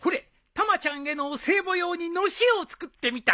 たまちゃんへのお歳暮用にのしを作ってみたんじゃ。